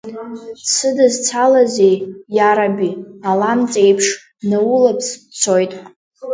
Дсыдызцалазеи, иараби, аламҵ еиԥш, днаулаԥс дцоит!